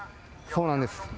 そうなんです。